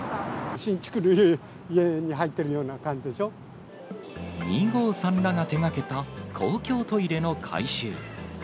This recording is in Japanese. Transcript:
新築の家に入ってるような感ニゴーさんらが手がけた公共トイレの改修。